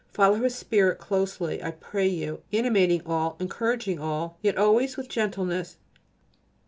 Follow his spirit closely, I pray you, animating all, encouraging all, yet always with gentleness.